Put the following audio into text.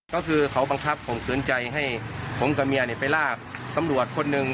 ก็คือเขาบังคับข่มขืนใจให้ผมกับเมียไปลากตำรวจคนหนึ่ง